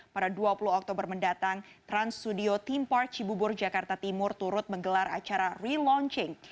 pada dua puluh oktober mendatang trans studio theme park cibubur jakarta timur turut menggelar acara relaunching